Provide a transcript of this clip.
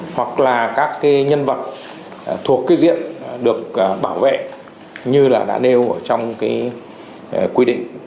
hoặc là các nhân vật thuộc diện được bảo vệ như đã nêu trong quy định